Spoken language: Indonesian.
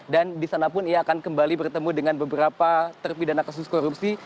dan disanapun ia akan kembali bertemu dengan beberapa terpidana kasus korupsi